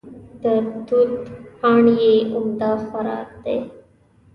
د توت پاڼې یې عمده خوراک دی.